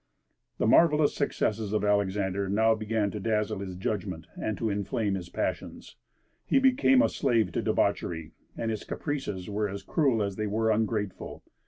The marvellous successes of Alexander now began to dazzle his judgment and to inflame his passions. He became a slave to debauchery, and his caprices were as cruel as they were ungrateful.